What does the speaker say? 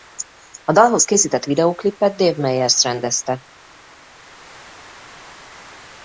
A dalhoz készített videóklipet Dave Meyers rendezte.